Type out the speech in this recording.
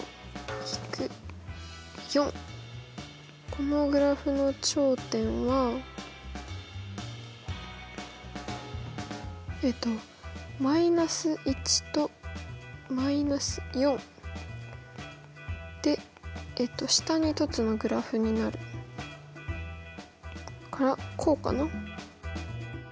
このグラフの頂点は−１と−４で下に凸のグラフになるからこうかな？